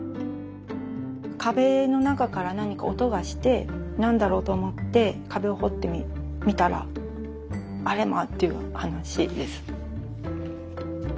壁の中から何か音がして何だろうと思って壁を掘ってみたらあれま！という話です。